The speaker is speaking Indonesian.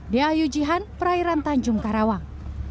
dea ayu jihan perairan tanjung karawang